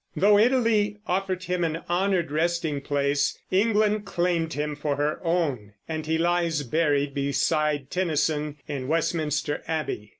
Though Italy offered him an honored resting place, England claimed him for her own, and he lies buried beside Tennyson in Westminster Abbey.